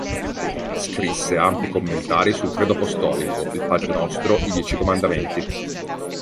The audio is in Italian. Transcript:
Scrisse ampi commentari sul Credo apostolico, il Padre Nostro, i Dieci Comandamenti.